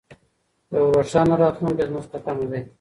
یو روښانه راتلونکی زموږ په تمه دی.